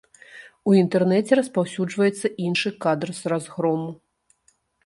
У інтэрнэце распаўсюджваецца іншы кадр з разгрому.